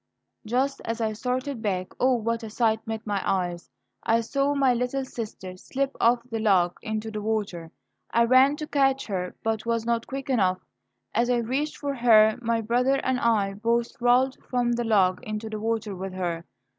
Just as I started back, O, what a sight met my eyes! I saw my little sister slip off the log into the water. I ran to catch her, but was not quick enough. As I reached for her, my brother and I both rolled from the log into the water with her.